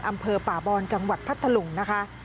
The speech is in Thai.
อำเภอป่าบอนจังหวัดพัทธลุงนะคะ